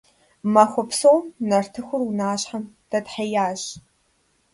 Махуэ псом нартыхур унащхьэм дэтхьеящ.